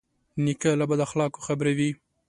نیکه له بد اخلاقو خبروي.